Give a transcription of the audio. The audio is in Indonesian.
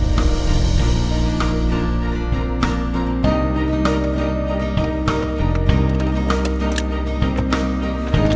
ini adalah pembicaraan